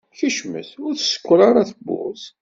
Kecmet. Ur tsekkeṛ ara tewwurt.